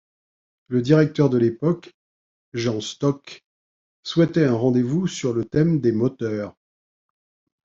Le directeur de l'époque, Jean Stock, souhaitait un rendez-vous sur le thème des moteurs.